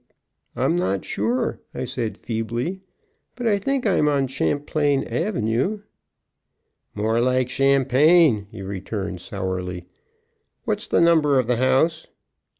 _"] "No (hic), I'm not sure," I said feebly, "but I think I'm on Champlain avenue." "More like champagne," he returned, sourly. "What's the number of the house?"